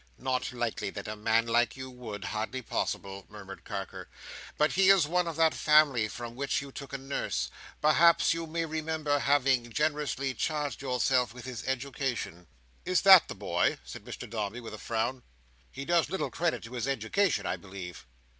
"Not likely that a man like you would. Hardly possible," murmured Carker. "But he is one of that family from whom you took a nurse. Perhaps you may remember having generously charged yourself with his education?" "Is it that boy?" said Mr Dombey, with a frown. "He does little credit to his education, I believe."